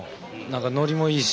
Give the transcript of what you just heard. ノリもいいし。